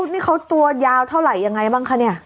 นี่เขาตัวยาวเท่าไหร่ยังไงบ้างคะเนี่ย